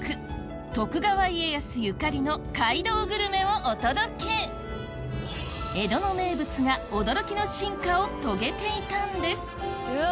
徳川家康ゆかりの街道グルメをお届け江戸の名物が驚きの進化を遂げていたんですうわ